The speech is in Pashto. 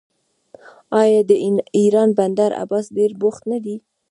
آیا د ایران بندر عباس ډیر بوخت نه دی؟